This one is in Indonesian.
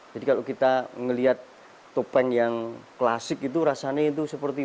kalau kita melihat topeng yang klasik itu rasanya itu seperti